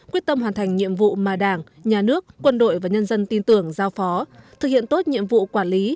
quyết tâm hoàn thành nhiệm vụ mà đảng nhà nước quân đội và nhân dân tin tưởng giao phó thực hiện tốt nhiệm vụ quản lý